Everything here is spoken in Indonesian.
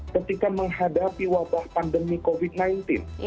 ketika menghadapi wabah pandemi covid sembilan belas